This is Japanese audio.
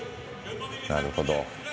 なるほど。